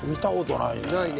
ないね。